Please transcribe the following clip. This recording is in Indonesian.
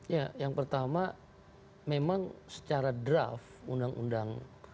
ya yang pertama memang secara draft undang undang